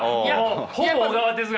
ほぼ小川哲学！